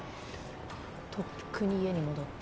とっくに家に戻った。